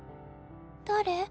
誰？